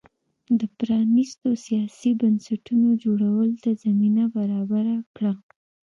د پرانیستو سیاسي بنسټونو جوړولو ته زمینه برابره کړه.